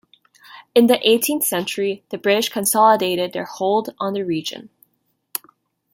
In the eighteenth century, the British consolidated their hold on the region.